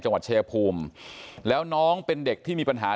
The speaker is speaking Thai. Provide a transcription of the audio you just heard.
จังหวัดชายภูมิแล้วน้องเป็นเด็กที่มีปัญหา